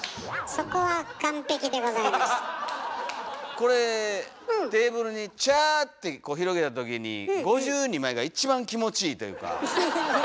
これテーブルにチャーって広げた時に５２枚が一番気持ちいいというか。